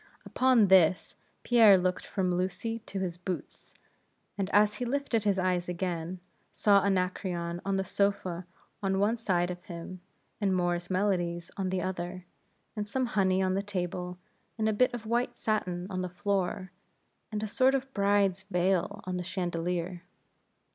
Upon this, Pierre looked from Lucy to his boots, and as he lifted his eyes again, saw Anacreon on the sofa on one side of him, and Moore's Melodies on the other, and some honey on the table, and a bit of white satin on the floor, and a sort of bride's veil on the chandelier.